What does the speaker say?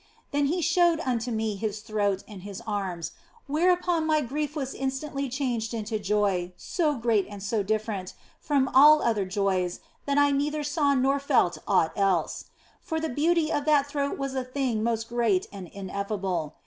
Then He 206 THE BLESSED ANGELA showed unto me His throat and His arms, whereupon my grief was instantly changed into joy so great and so different from all other joys that I neither saw nor felt aught else ; for the beauty of that throat was a thing most great and ineffable.